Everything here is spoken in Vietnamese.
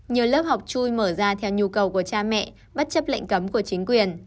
nhiều lớp học chui mở ra theo nhu cầu của cha mẹ bất chấp lệnh cấm của chính quyền